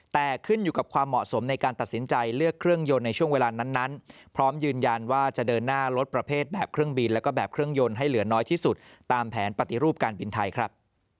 แต่ขึ้นอยู่กับความเหมาะสมในการตัดสินใจเลือกเครื่องยนต์ในช่วงเวลานั้นพร้อมยืนยันว่าจะเดินหน้าลดประเภทแบบเครื่องบินแล้วก็แบบเครื่องยนต์ให้เหลือน้อยที่สุดตามแผนปฏิรูปการบินไทยครับ